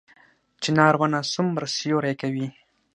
چنار ونه څومره سیوری کوي؟